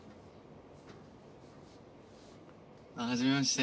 はじめまして。